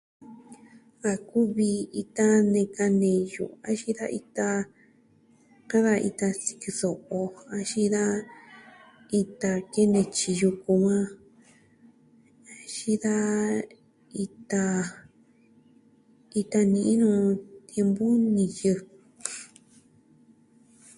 A kuvi ita neka neyu axin da ita, ka da ita sikɨ so'o, axin da ita kene tyiji yuku axin da ita ni'i nu tiempu niyɨ.